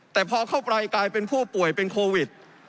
แต่พอเข้าไปกลายเป็นผู้ป่วยเป็นโควิด